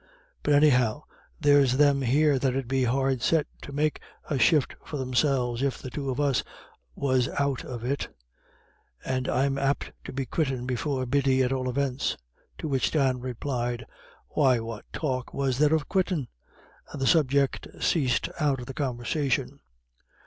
But anyhow there's them here that 'ud be hard set to make a shift for themselves if the two of us was out of it; and I'm apt to be quittin' before Biddy at all events." To which Dan replied, "Why what talk was there of quittin'?" and the subject ceased out of the conversation.